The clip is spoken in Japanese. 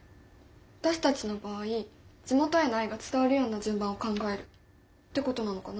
私たちの場合地元への愛が伝わるような順番を考えるってことなのかな。